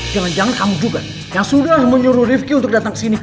jangan jangan kamu juga yang sudah menyuruh rifki untuk datang ke sini